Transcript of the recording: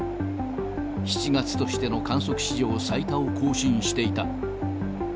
７月としての観測史上最多を更新していた。